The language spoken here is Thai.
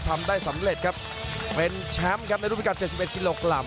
ทำได้สำเร็จครับเป็นแชมป์ครับในรูปพิการ๗๑กิโลกรัม